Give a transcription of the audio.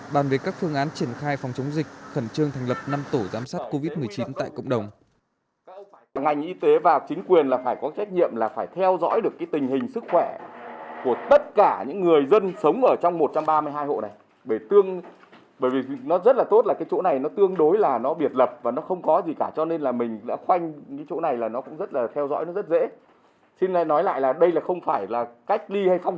bàn về các phương án triển khai phòng chống dịch khẩn trương thành lập năm tổ giám sát covid một mươi chín tại cộng đồng